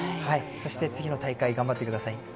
そして次の大会、頑張ってください。